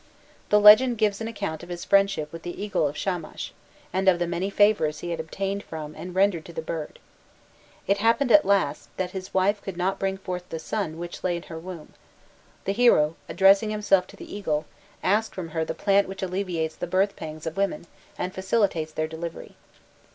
The legend gives an account of his friendship with the eagle of Shamash, and of the many favours he had obtained from and rendered to the bird. It happened at last, that his wife could not bring forth the son which lay in her womb; the hero, addressing himself to the eagle, asked from her the plant which alleviates the birth pangs of women and facilitates their delivery.